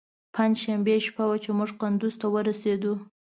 پنجشنبې شپه وه چې موږ کندوز ته ورسېدو.